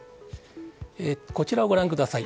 こちらをご覧ください。